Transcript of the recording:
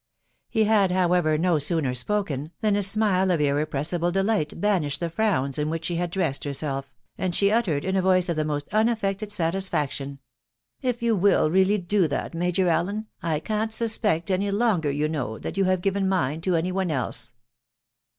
He had, however, no sooner spoken, than a smile of sible delight banished the frowns in which she had herself, and she uttered in a voice of the most unaffected faction, .... If you will really do that, Major Allen, I can't suspect any longer, you know, that you have given mine to any one else."